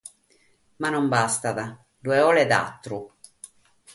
Ma non bastat: bi cheret àteru.